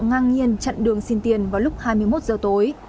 ngang nhiên chặn đường xin tiền vào lúc hai mươi một giờ tối